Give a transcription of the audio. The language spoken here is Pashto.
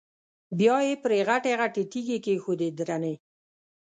بیا یې پرې غټې غټې تیږې کېښودې درنې.